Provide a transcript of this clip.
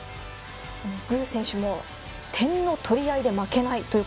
具選手も点の取り合いで負けないと。